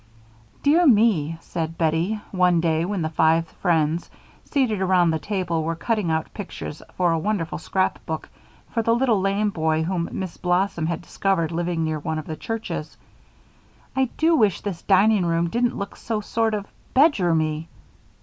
"Dear me," said Bettie, one day when the five friends, seated around the table, were cutting out pictures for a wonderful scrap book for the little lame boy whom Miss Blossom had discovered living near one of the churches, "I do wish this dining room didn't look so sort of bedroomy."